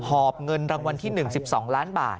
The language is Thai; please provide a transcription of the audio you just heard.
หอบเงินรางวัลที่๑๒ล้านบาท